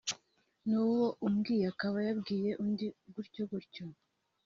n’uwo ubwiye akaba yabwira undi gutyo gutyo